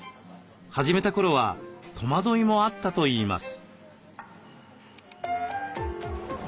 始めた頃は戸惑いもあったといいます。